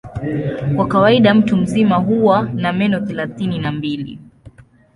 Kwa kawaida mtu mzima huwa na meno thelathini na mbili.